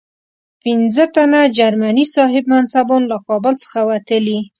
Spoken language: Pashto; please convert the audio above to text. پنځه تنه جرمني صاحب منصبان له کابل څخه وتلي.